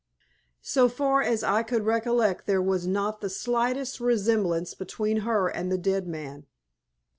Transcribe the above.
So far as I could recollect there was not the slightest resemblance between her and the dead man.